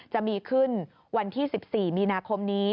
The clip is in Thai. จะมีขึ้นวันที่๑๔มีนาคมนี้